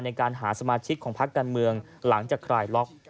ในการหาสมาชิกของพักการเมืองหลังจากคลายล็อก